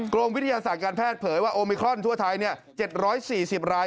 กรมวิทยาศาสตร์การแพทย์เผยว่าโอมิครอนทั่วไทย๗๔๐ราย